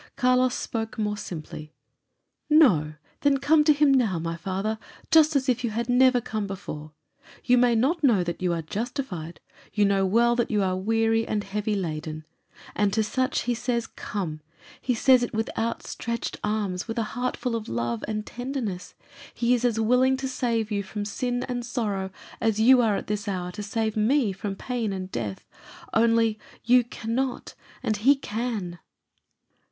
Carlos spoke more simply. "No! Then come to him now, my father, just as if you had never come before. You may not know that you are justified; you know well that you are weary and heavy laden. And to such he says, 'Come.' He says it with outstretched arms, with a heart full of love and tenderness. He is as willing to save you from sin and sorrow as you are this hour to save me from pain and death. Only, you cannot, and he can."